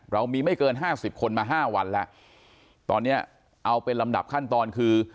เรามีไม่เกินห้าสิบคนมาห้าวันแล้วตอนนี้เอาเป็นลำดับขั้นตอนคือ